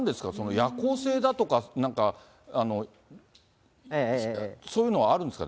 夜行性だとか、なんか、そういうのはあるんですか？